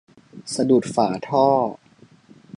สะดุดฝาท่อ